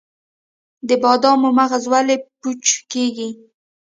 د بادامو مغز ولې پوچ کیږي؟